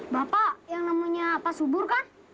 bapak yang namanya pak subur kan